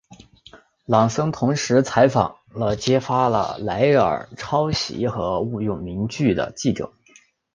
朗森同时采访了揭发雷尔抄袭和误用名句的记者。